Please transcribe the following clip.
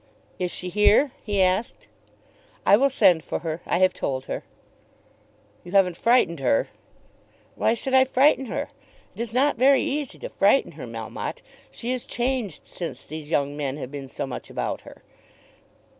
"Is she here?" he asked. "I will send for her. I have told her." "You haven't frightened her?" "Why should I frighten her? It is not very easy to frighten her, Melmotte. She is changed since these young men have been so much about her."